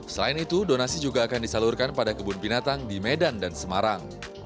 selain itu donasi juga akan disalurkan pada kebun binatang di medan dan semarang